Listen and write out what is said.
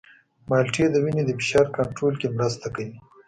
مالټې د وینې د فشار کنټرول کې مرسته کوي.